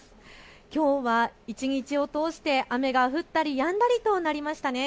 きょうは一日を通して雨が降ったり、やんだりとなりました。